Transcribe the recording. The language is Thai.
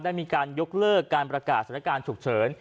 ได้มีการยกเลิกการประกาศสถานการณ์ฉุกเฉิน